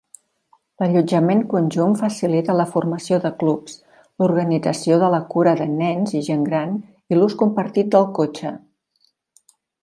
L'allotjament conjunt facilita la formació de clubs, l'organització de la cura de nens i gent gran, i l'ús compartit del cotxe.